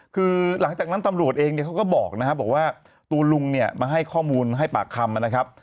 คือหลังจากนั้นตำรวจเองเนี่ยเขาก็บอกนะครับบอกว่าตัวลุงเนี่ยมาให้ข้อมูลให้ปากคำนะครับ